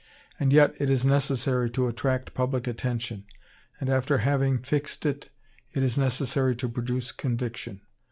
And yet it is necessary to attract public attention, and after having fixed it, it is necessary to produce conviction.